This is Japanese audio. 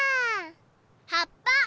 はっぱ！